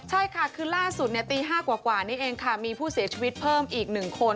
ใช่ค่ะคือล่าสุดตี๕กว่านี้เองค่ะมีผู้เสียชีวิตเพิ่มอีก๑คน